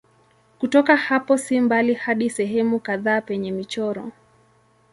Kutoka hapo si mbali hadi sehemu kadhaa penye michoro.